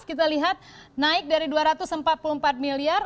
kita lihat naik dari rp dua ratus empat puluh empat miliar